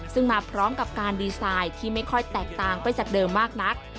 ซึ่งมาพร้อมกับการดีไซน์ที่ไม่ค่อยแตกต่างไปจากเดิมมากนัก